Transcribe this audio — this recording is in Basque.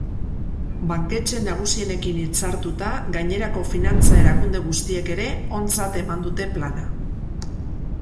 Banketxe nagusienekin hitzartuta, gainerako finantza-erakunde guztiek ere ontzat eman dute plana.